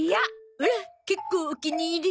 オラ結構お気に入り。